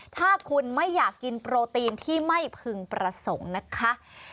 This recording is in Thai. ถ้าคุณไม่อยากกินโปรตีนที่ไม่พึงประสงค์นะคะ